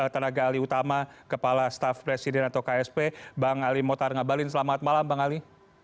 tenaga ali utama kepala staff presiden atau ksp bang ali motar ngabalin selamat malam bang ali